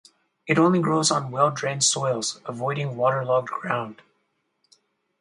It only grows on well-drained soils, avoiding waterlogged ground.